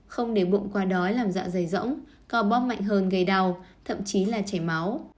không để bụng qua đói làm dạ dày rỗng co bóp mạnh hơn gây đau thậm chí là chảy máu